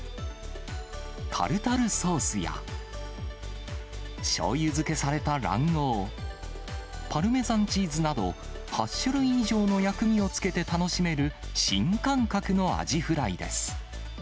タルタルソースや、しょうゆ漬けされた卵黄、パルメザンチーズなど、８種類以上の薬味をつけて楽しめる、新感覚のアジフライです。